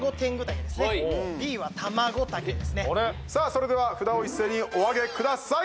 それでは札を一斉におあげください